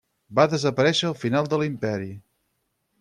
Va desaparèixer al final de l'imperi.